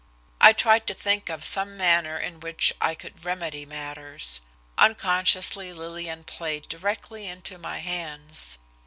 I tried to think of some manner in which I could remedy matters. Unconsciously Lillian played directly into my hands.